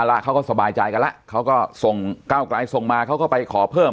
แล้วเขาก็สบายใจกันแล้วเขาก็ส่งก้าวไกลส่งมาเขาก็ไปขอเพิ่ม